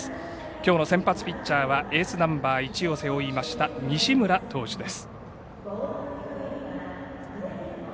きょうの先発ピッチャーはエースナンバー１を背負いました西村投手です。